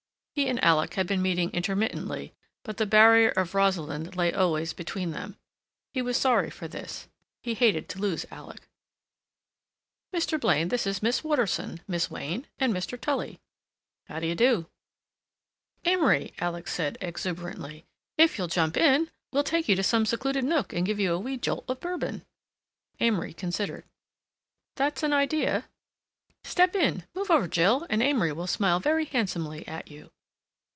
He and Alec had been meeting intermittently, but the barrier of Rosalind lay always between them. He was sorry for this; he hated to lose Alec. "Mr. Blaine, this is Miss Waterson, Miss Wayne, and Mr. Tully." "How d'y do?" "Amory," said Alec exuberantly, "if you'll jump in we'll take you to some secluded nook and give you a wee jolt of Bourbon." Amory considered. "That's an idea." "Step in—move over, Jill, and Amory will smile very handsomely at you."